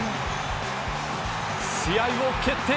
試合を決定